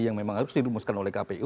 yang memang harus dirumuskan oleh kpu